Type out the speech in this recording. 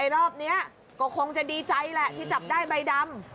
รอบนี้ก็คงจะดีใจแหละที่จับได้ใบดำ